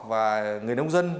và người nông dân